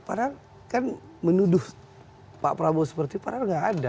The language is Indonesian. padahal kan menuduh pak prabu seperti itu padahal tidak ada